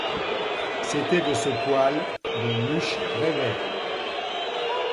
C’était de ce poêle dont Muche rêvait.